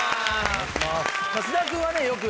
菅田君はねよく。